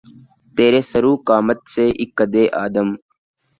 تیرے سرو قامت سے، اک قّدِ آدم